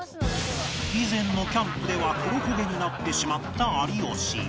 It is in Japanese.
以前のキャンプでは黒焦げになってしまった有吉